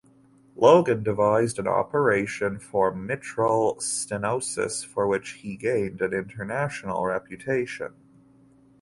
Logan devised an operation for mitral stenosis for which he gained an international reputation.